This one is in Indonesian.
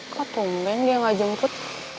kok pembeng dia enggak jemput